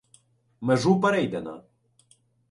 Межу перейдено.